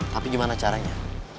tapi gimana caranya